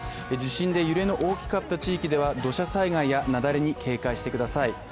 地震で揺れの大きかった地域では土砂災害や雪崩に警戒してください。